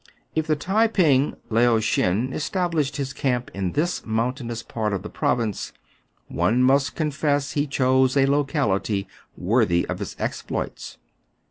If the Tai ping Lao Shen established his camp in this mountainous part of the province, one must confess he chose a locality worthy of' his exploits.